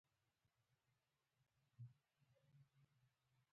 زما تلیفون یا غوږۍ کې چارج خلاص شو.